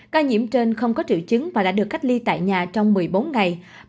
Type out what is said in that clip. ca nhiễm trên không có triệu chứng và đã được cách ly tại nhà trong một mươi bốn ngày